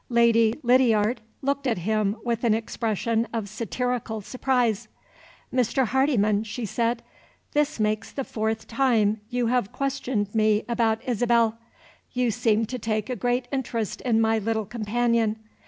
Lady Lydiard looked at him with an expression of satirical surprise. "Mr. Hardyman," she said, "this makes the fourth time you have questioned me about Isabel. You seem to take a great interest in my little companion.